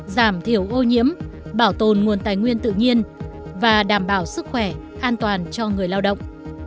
giảm thiểu ô nhiễm bảo tồn nguồn tài nguyên tự nhiên và đảm bảo sức khỏe an toàn cho người lao động